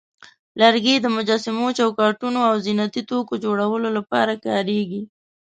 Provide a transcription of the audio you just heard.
لرګي د مجسمو، چوکاټونو، او زینتي توکو جوړولو لپاره کارېږي.